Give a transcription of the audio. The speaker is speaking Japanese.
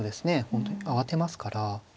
本当に慌てますから。